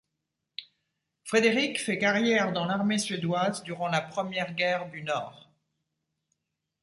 Frédéric fait carrière dans l'armée suédoise durant la Première guerre du Nord.